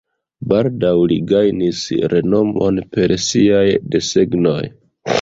Baldaŭ li gajnis renomon per siaj desegnoj.